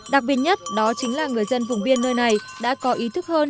đặc biệt nhất đó chính là người dân vùng biên nơi này đã có ý thức hơn